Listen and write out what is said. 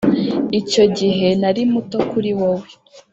icyo gihe nari muto kuri wowe